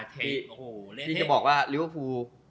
ที่จะบอกว่าลิเวอร์ฟู